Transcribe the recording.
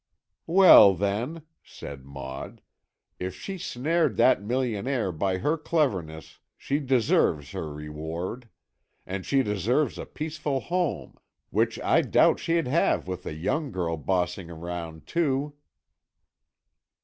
"Well, then," said Maud, "if she snared that millionaire by her cleverness, she deserves her reward. And she deserves a peaceful home, which I doubt she'd have with a young girl bossing around, too."